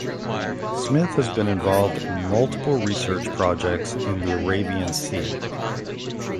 Smith has been involved in multiple research projects in the Arabian Sea.